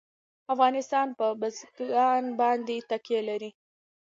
افغانستان په بزګان باندې تکیه لري.